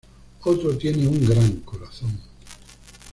Otro tiene un gran corazón.